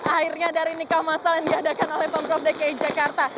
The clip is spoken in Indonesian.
akhirnya dari nikah masal yang diadakan oleh pemprov dki jakarta